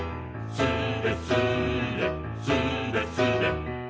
「スレスレスレスレ」